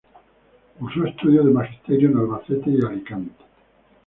Cursó estudios de magisterio en Albacete y Alicante.